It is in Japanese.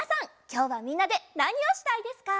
きょうはみんなでなにをしたいですか？